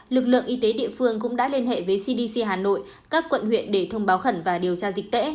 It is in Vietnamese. lực lượng y tế địa phương cũng đã liên hệ với cdc hà nội các quận huyện để thông báo khẩn và điều tra dịch tễ